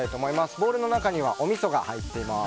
ボウルの中にはおみそが入っています。